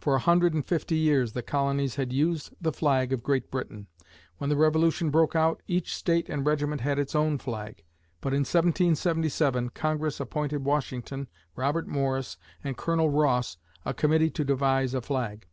For a hundred and fifty years, the colonies had used the flag of Great Britain. When the Revolution broke out, each State and regiment had its own flag; but in 1777, Congress appointed Washington, Robert Morris and Colonel Ross a committee to devise a flag.